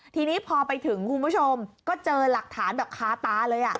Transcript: ทีนี้พอไปถึงคุณผู้ชมก็เจอหลักฐานแบบคาตาเลย